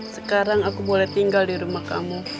sekarang aku boleh tinggal di rumah kamu